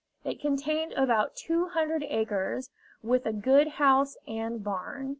It contained about two hundred acres, with a good house and barn.